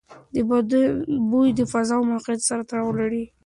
د بدن بوی د فضا او موقعیت سره تړاو لري.